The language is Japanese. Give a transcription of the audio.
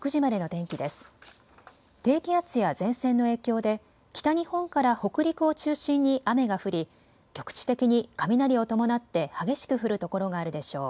低気圧や前線の影響で北日本から北陸を中心に雨が降り局地的に雷を伴って激しく降る所があるでしょう。